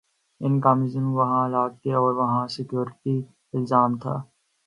ان کا ضامن وہاں کے حالات اور وہاں کا سیکولر ازم تھا۔